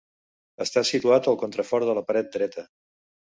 Està situat al contrafort de la paret dreta.